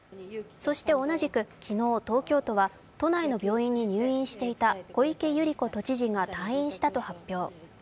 そして同じく昨日、東京都は都内の病院に入院していた小池百合子都知事が退院したと発表。